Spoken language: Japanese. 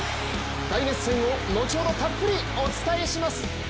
大熱戦を後ほどたっぷりお伝えします。